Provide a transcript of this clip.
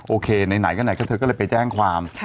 โอเคไหนก็ไหนก็เธอก็เลยไปแจ้งความ